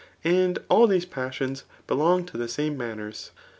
And all these passions belong to the same manners.